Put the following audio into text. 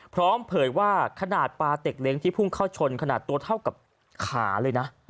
เผยว่าขนาดปลาเต็กเล้งที่พุ่งเข้าชนขนาดตัวเท่ากับขาเลยนะ